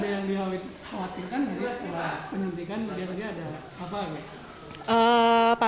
berdasarkan dia ada apa lagi